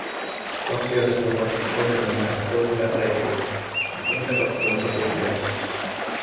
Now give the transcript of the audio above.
Tappiaiset haluavat ohjata meidät toiselle reitille… Mutta mitä kautta se muka kulkee?